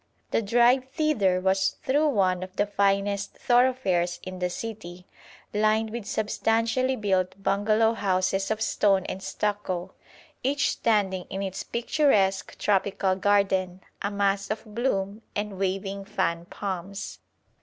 The drive thither was through one of the finest thoroughfares in the city, lined with substantially built bungalow houses of stone and stucco, each standing in its picturesque tropical garden, a mass of bloom and waving fan palms.